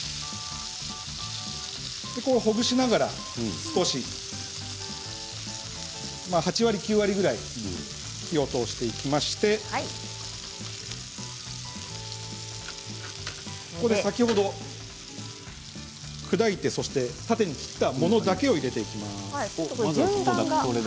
ほぐしながら少し８割９割ぐらい火を通していきまして先ほど砕いて縦に切ったものだけを入れていきます。